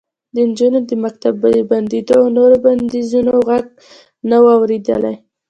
د نجونو د مکتب د بندېدو او نورو بندیزونو غږ نه و اورېدلی